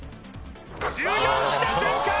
１４きた瞬間